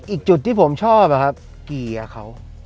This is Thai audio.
อีกจุดที่ผมชอบเกียร์เขา